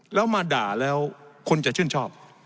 แล้วมาด่าแล้วคนจะชื่นชอบ